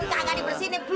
nggak akan dibersihkan